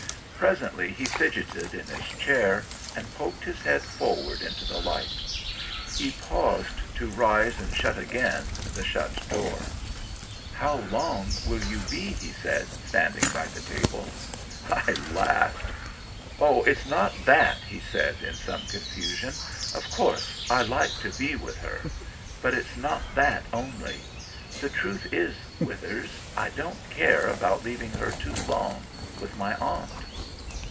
Presently he fidgeted in his chair and poked his head forward into the light. He paused to rise and shut again the shut door. "How long will you be?" he said, standing by the table. I laughed. "Oh, it's not that!" he said, in some confusion. "Of course, I like to be with her. But it's not that only. The truth is, Withers, I don't care about leaving her too long with my aunt."